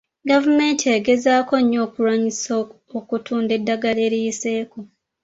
Gavumenti egezaako nnyo okulwanyisa okutunda eddagala eriyiseeko.